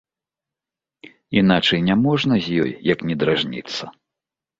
Іначай няможна з ёй, як не дражніцца.